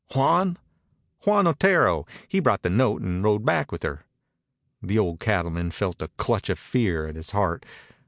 "Juan?" "Juan Otero. He brought the note an' rode back with her." The old cattleman felt a clutch of fear at his heart.